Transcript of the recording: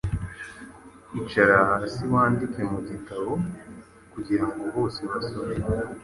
icara hasi wandike Mu gitabo, kugirango bose basome.